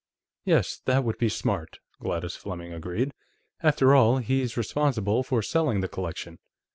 "Yes. That would be smart," Gladys Fleming agreed. "After all, he's responsible for selling the collection."